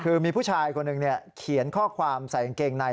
คือมีผู้ชายคนหนึ่งเขียนข้อความใส่กางเกงใน